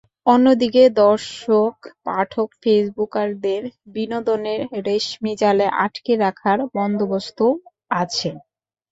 অন্যদিকে দর্শক পাঠক ফেসবুকারদের বিনোদনের রেশমি জালে আটকে রাখার বন্দোবস্তও আছে।